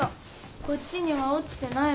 こっちにはおちてないわよ。